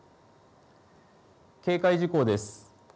警戒事項です。